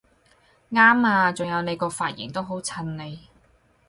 啱吖！仲有你個髮型都好襯你！